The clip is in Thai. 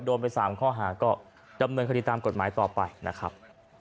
โดนไป๓ข้อหาก็ดำเนินคดีตามกฎหมายต่อไปนะครับ